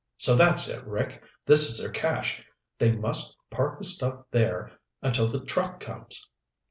"So that's it! Rick, this is their cache. They must park the stuff there until the truck comes!"